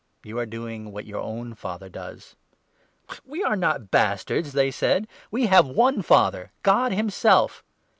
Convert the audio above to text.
You are doing what 41 your own father does. " "We are not bastards," they said, "we have one Father — God himself."